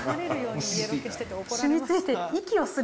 しみついてる。